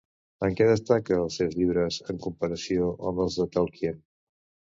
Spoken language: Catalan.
En què destaca els seus llibres, en comparació amb els de Tolkien?